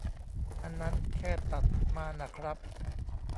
อันนั้นแค่ตัดมาน่ะครับ